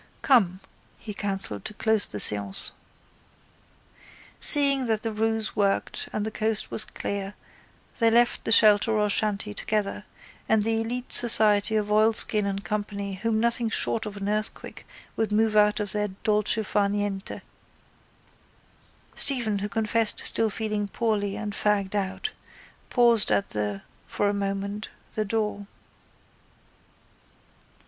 —Come, he counselled to close the séance. Seeing that the ruse worked and the coast was clear they left the shelter or shanty together and the élite society of oilskin and company whom nothing short of an earthquake would move out of their dolce far niente. Stephen, who confessed to still feeling poorly and fagged out, paused at the, for a moment, the door.